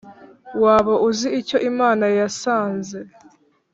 waba uzi icyo imana yasanze